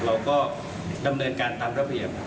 เราก็ดำเนินการตามระเบียบ